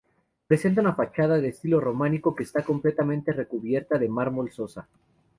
Presenta una fachada de estilo románico que está completamente recubierta de mármol rosa.